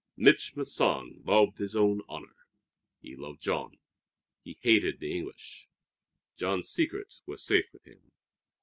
Mich' Masson loved his own honor. He loved Jean. He hated the English. Jean's secret was safe with him.